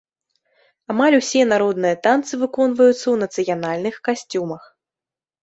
Амаль усе народныя танцы выконваюцца ў нацыянальных касцюмах.